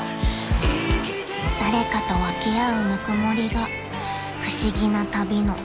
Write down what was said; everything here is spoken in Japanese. ［誰かと分け合うぬくもりが不思議な旅の支えかも］